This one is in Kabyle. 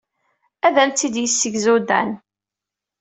Ad am-tt-id-yessegzu Dan.